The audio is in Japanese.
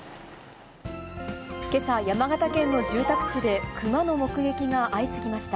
けさ、山形県の住宅地で、熊の目撃が相次ぎました。